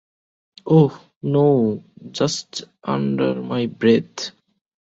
Oh, no, just under my breath.